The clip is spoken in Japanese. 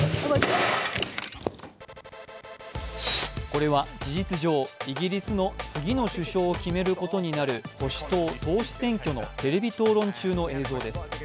これは事実上、イギリスの次の首相を決めることになる保守党党首選挙のテレビ討論中の映像です。